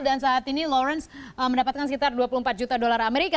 dan saat ini lawrence mendapatkan sekitar dua puluh empat juta dolar amerika